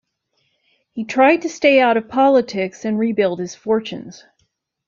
He tried to stay out of politics and rebuild his fortunes.